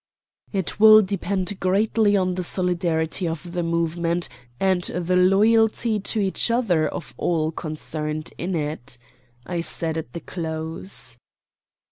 "It will depend greatly on the solidarity of the movement and the loyalty to each other of all concerned in it," I said at the close.